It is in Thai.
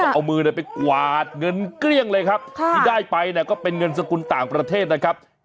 เอามือไปกวาดเงินเกลี้ยงเลยครับที่ได้ไปเนี่ยก็เป็นเงินสกุลต่างประเทศนะครับ